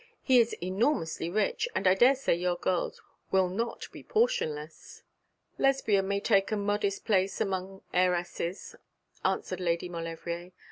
'He is enormously rich, and I daresay your girls will not be portionless.' 'Lesbia may take a modest place among heiresses,' answered Lady Maulevrier.